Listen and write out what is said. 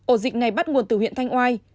ổ dịch này bắt nguồn từ huyện thanh oai